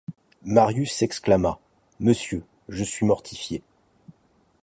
Marius s’exclama. ― Monsieur, je suis mortifié...